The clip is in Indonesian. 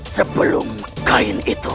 sebelum kain itu